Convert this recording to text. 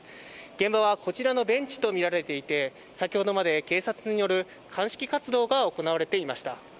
現場はこちらのベンチと見られていて、先ほどまで、警察による鑑識活動が行われていました。